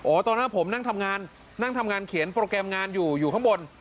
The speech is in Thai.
โอ๋ตอนนั้นผมนั่งทำงานเห็นโปรแกรมยังอยู่ข้างบน